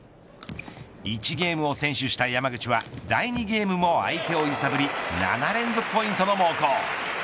１ゲームを先取した山口は第２ゲームも相手を揺さぶり７連続ポイントの猛攻。